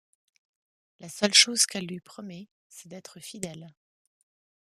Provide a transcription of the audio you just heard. La seule chose qu'elle lui promet, c'est d'être fidèle.